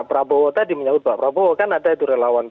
prabowo tadi menyebut pak prabowo kan ada itu relawan